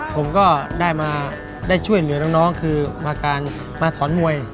ผมก็ได้ช่วยเหลือน้องมาสอนมวย